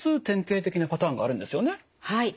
典型的なパターンがあるんですよね？